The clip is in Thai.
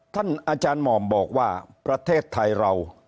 ท่านอาจารย์หม่อมบอกว่าประเทศไทยเรา